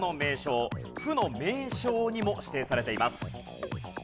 府の名勝にも指定されています。